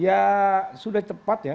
ya sudah tepat ya